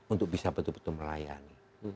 untuk bisa betul betul melayani